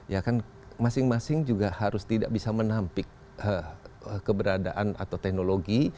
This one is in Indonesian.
ya kan masing masing juga harus tidak bisa menampik keberadaan atau teknologi